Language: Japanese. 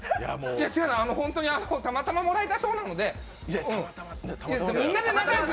違うの、本当にたまたまもらえた賞なのでみんなで仲良く。